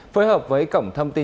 phối hợp với cổng thông tin